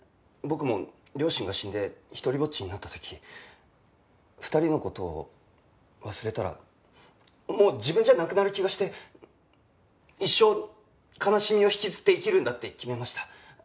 僕も両親が死んで独りぼっちになった時２人の事を忘れたらもう自分じゃなくなる気がして一生悲しみを引きずって生きるんだって決めました。